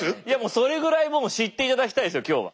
それぐらいもう知って頂きたいんですよ今日は。